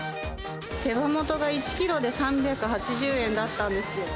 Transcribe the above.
手羽元が１キロで３８０円だったんですよ。